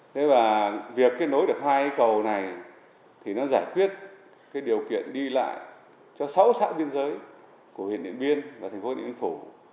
thế và việc kết nối được hai cái cầu này thì nó giải quyết cái điều kiện đi lại cho sáu xã biên giới của huyện điện biên và thành phố điện biên phủ